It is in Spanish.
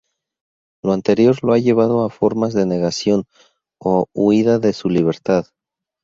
Lo anterior lo ha llevado a formas de negación o huida de su libertad.